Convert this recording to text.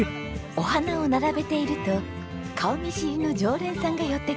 お花を並べていると顔見知りの常連さんが寄ってくれます。